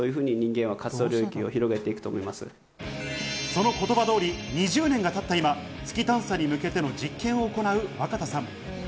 その言葉通り、２０年が経った今、月探索に向けての実験を行う若田さん。